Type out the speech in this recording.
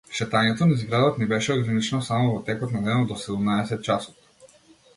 Шетањето низ градот ни беше ограничено само во текот на денот до седумнаесет часот.